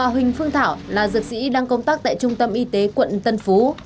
huỳnh phương thảo là dược sĩ đang công tác tại trung tâm y tế quận tân phú